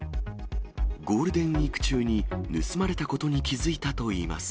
ゴールデンウィーク中に盗まれたことに気付いたといいます。